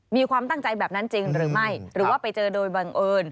มีความตั้งใจแบบนั้นจริงหรือไม่หรือว่าไปเจอโดยบังเอิญ